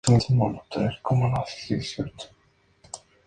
Se le conoció especialmente por ser editor de Franz Jung y de literatura rusa.